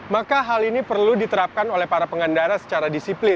maka hal ini perlu diterapkan oleh para pengendara